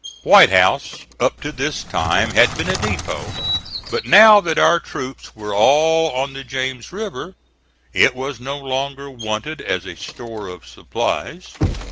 White House up to this time had been a depot; but now that our troops were all on the James River, it was no longer wanted as a store of supplies.